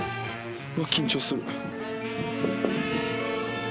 うわっ緊張する。